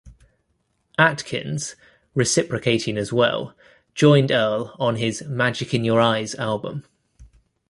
Atkins, reciprocating as well, joined Earl on his "Magic In Your Eyes" album.